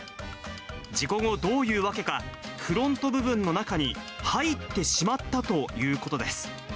事故後、どういうわけか、フロント部分の中に入ってしまったということです。